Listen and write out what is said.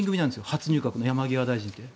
初入閣の山際大臣って。